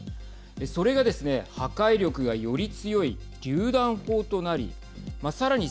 それがですね、破壊力がより強いりゅう弾砲となりさらに